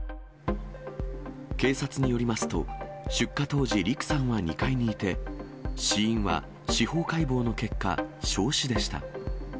警察によりますと、出火当時、陸さんは２階にいて、死因は司法解剖の結果、焼死でした。